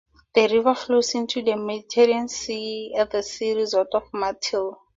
The river flows into the Mediterranean Sea at the sea resort of Martil.